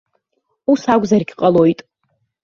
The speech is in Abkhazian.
Ус акәзаргь ҟалоит.